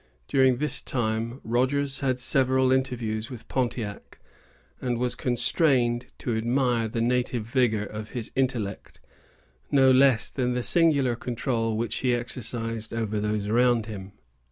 During this time, Rogers had several interviews with Pontiac, and was constrained to admire the native vigor of his intellect, no less than the singular control which he exercised over those around him.